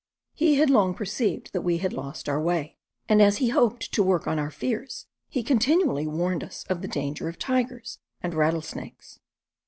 He had long perceived that we had lost our way; and as he hoped to work on our fears he continually warned us of the danger of tigers and rattlesnakes.